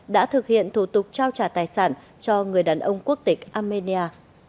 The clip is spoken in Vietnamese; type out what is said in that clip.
đã thực hiện thủ tục trao trả tài sản cho người đàn ông quốc tịch armenia